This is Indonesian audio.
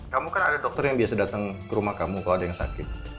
kamu kan ada dokter yang biasa datang ke rumah kamu kalau ada yang sakit